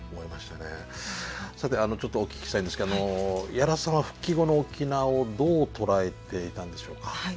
さてちょっとお聞きしたいんですけど屋良さんは復帰後の沖縄をどう捉えていたんでしょうか？